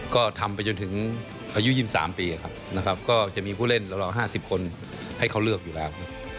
ก็ทำไปจนถึงอายุ๒๓ปีครับนะครับก็จะมีผู้เล่นราว๕๐คนให้เขาเลือกอยู่แล้ว